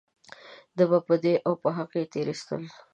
ده به په دې او په هغه تېرويستل .